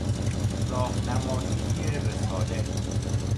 راهنمایی رساله